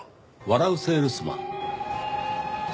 笑うセールスマン？